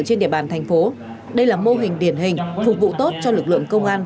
trên địa bàn thành phố đây là mô hình điển hình phục vụ tốt cho lực lượng công an